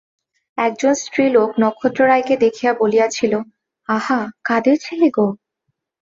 একজন স্ত্রীলোক নক্ষত্ররায়কে দেখিয়া বলিয়াছিল, আহা, কাদের ছেলে গো!